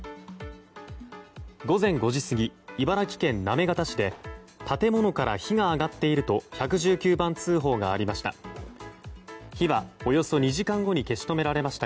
午前５時過ぎ茨城県行方市で建物から火が上がっていると１１９番通報がありました。